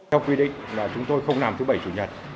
theo quy định là chúng tôi không làm thứ bảy chủ nhật